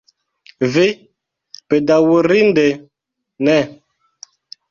Vi, bedaŭrinde, ne.